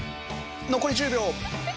残り１０秒。